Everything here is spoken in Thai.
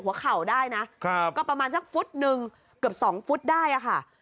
เข่าได้นะครับก็ประมาณสักฟุตหนึ่งเกือบสองฟุตได้อะค่ะ